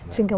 xin cảm ơn